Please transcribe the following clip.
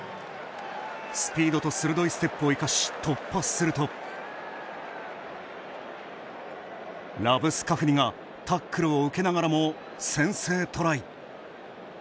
スピードと鋭いステップを生かし突破するとラブスカフニが、タックルを受けながらも先制トライ。